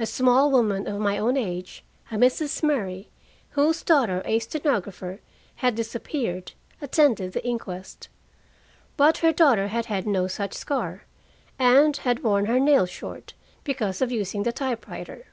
A small woman of my own age, a Mrs. Murray, whose daughter, a stenographer, had disappeared, attended the inquest. But her daughter had had no such scar, and had worn her nails short, because of using the typewriter.